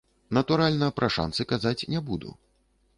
Натуральна, пра шанцы казаць не буду.